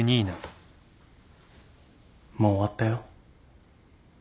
もう終わったよ。